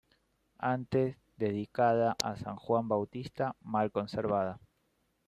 Antes dedicada a san Juan Bautista, mal conservada.